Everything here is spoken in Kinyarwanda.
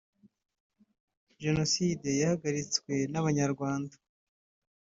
Jenoside yahagaritswe n’abanyarwanda